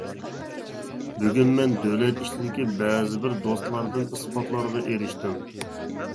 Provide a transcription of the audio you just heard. بۈگۈن مەن دۆلەت ئىچىدىكى بەزىبىر دوستلاردىن ئىسپاتلارغا ئېرىشتىم.